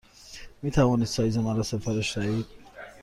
می توانید سایز مرا سفارش دهید؟